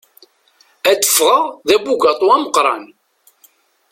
Ad ffɣeɣ d abugaṭu ameqqran.